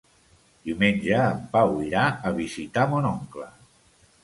Diumenge en Pau irà a visitar mon oncle.